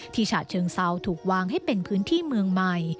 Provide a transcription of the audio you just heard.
ฉะเชิงเซาถูกวางให้เป็นพื้นที่เมืองใหม่